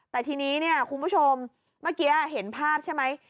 แต่ทีนี้เนี่ยคุณผู้ชมเมื่อกี้เห็นภาพใช่ไหม